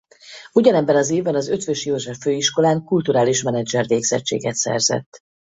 Ugyanebben az évben az Eötvös József Főiskolán kulturális menedzser végzettséget szerzett.